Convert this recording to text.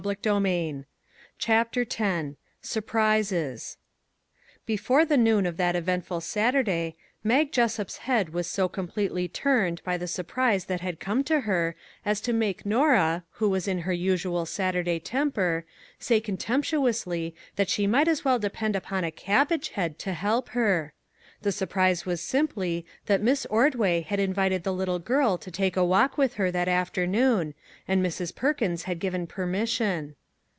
148 CHAPTER X SURPRISES BEFORE the noon of that eventful Sat urday, Mag Jessup's head was so com pletely turned by the surprise that had come to her as to make Norah, who was in her usual Saturday temper, say contemptu ously that she might as well depend upon a cabbage head to help her! The surprise was simply that Miss Ordway had invited the little girl to take a walk with her that afternoon, and Mrs. Perkins had given permission.